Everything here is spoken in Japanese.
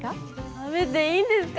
食べていいんですか！